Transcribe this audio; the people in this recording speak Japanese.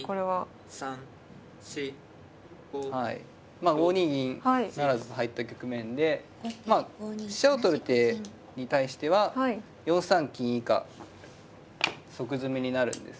まあ５二銀不成と入った局面でまあ飛車を取る手に対しては４三金以下即詰みになるんですね。